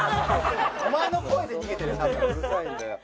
お前の声で逃げてるよ